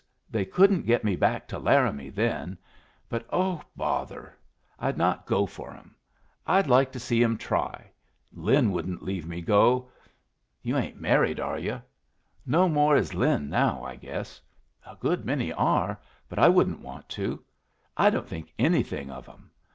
They couldn't get me back to Laramie then; but, oh, bother! I'd not go for 'em! I'd like to see 'em try! Lin wouldn't leave me go. You ain't married, are you? No more is Lin now, I guess. A good many are, but I wouldn't want to. I don't think anything of 'em.